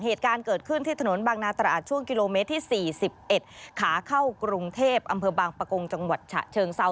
เหตุการณ์เกิดขึ้นที่ถนนบางนาตราดช่วงกิโลเมตรที่๔๑ขาเข้ากรุงเทพอำเภอบางปะกงจังหวัดฉะเชิงเซา